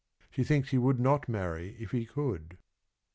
She thinks he would not marry if he could.